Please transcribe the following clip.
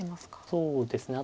そうですね